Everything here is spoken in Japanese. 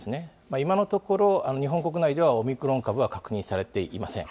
今のところ、日本国内ではオミクロン株は確認されていません。